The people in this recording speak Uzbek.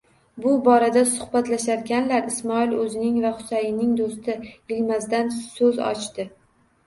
Bu borada suhbatlasharkanlar Ismoil o'zining va Husayinning do'sti Yilmazdan so'z ochdi.